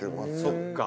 そっか。